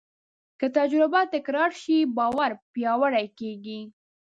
که تجربه تکرار شي، باور پیاوړی کېږي.